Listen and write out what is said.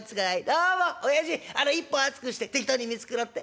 どうもおやじあの１本熱くして適当に見繕って。